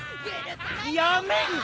やめんか。